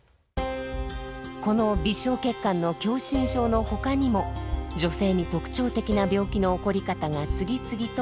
この微小血管の狭心症のほかにも女性に特徴的な病気の起こり方が次々と明らかになっています。